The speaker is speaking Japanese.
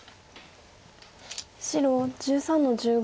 白１３の十五。